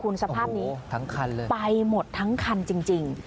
คุณสภาพนี้ทั้งคันเลยไปหมดทั้งคันจริง